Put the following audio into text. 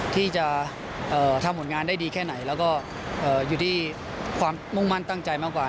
ที่จะทำผลงานได้ดีแค่ไหนแล้วก็อยู่ที่ความมุ่งมั่นตั้งใจมากกว่า